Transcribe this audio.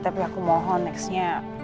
tapi aku mohon nextnya